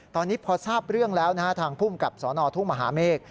ตอนนี้พอทราบเรื่องแล้วทางภูมิกับสนทุ่งมหาเมฆ